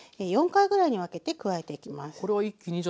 ４回ぐらいに分けて加えていきます。